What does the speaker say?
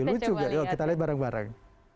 lucu gak yuk kita lihat bareng bareng